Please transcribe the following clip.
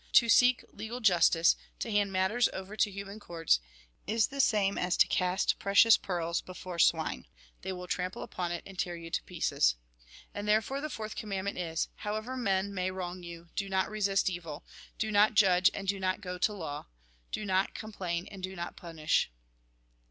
To seek legal justice, to hand matters over to human courts, is the same as to cast precious pearls before swine ; they will trample upon it, and tear you to pieces. And, therefore, the fourth commandment is : However men may wrong you, do not resist evil, do not judge and do not go to law, do not com plain and do not punish.